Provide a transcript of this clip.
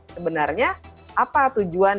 sebenarnya apa tujuan